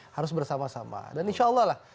harus bersama sama dan insya allah lah